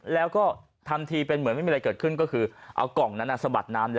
แล้วก็ทำทีเป็นเหมือนไม่มีอะไรเกิดขึ้นก็คือเอากล่องนั้นสะบัดน้ำเลย